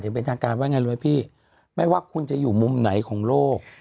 อย่างเป็นทางการว่าไงรู้ไหมพี่ไม่ว่าคุณจะอยู่มุมไหนของโลก